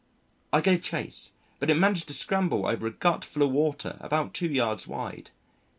I gave chase, but it managed to scramble over a gut full of water about two yards wide.